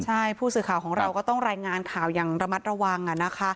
ใช่ผู้สื่อข่าวของเราก็ต้องรายงานข่าวอย่างระมัดระวัง